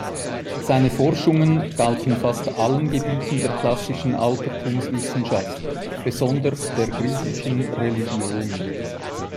Seine Forschungen galten fast allen Gebieten der klassischen Altertumswissenschaft, besonders der griechischen Religion.